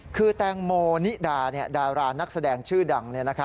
คือแตงโมนิดาดารานักแสดงชื่อดัง